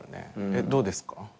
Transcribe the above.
どうですか？